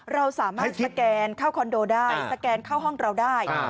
เราสามารถสแกนเข้าคอนโดได้สแกนเข้าห้องเราได้